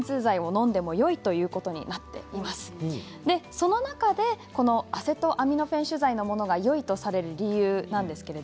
その中でアセトアミノフェン主剤のものがよいとされる理由がこちらです。